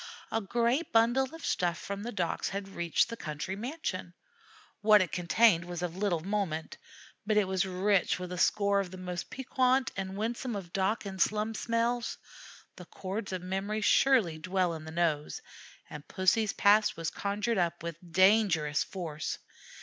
A great bundle of stuff from the docks had reached the country mansion. What it contained was of little moment, but it was rich with a score of the most piquant and winsome of dock and slum smells. The chords of memory surely dwell in the nose, and Pussy's past was conjured up with dangerous force.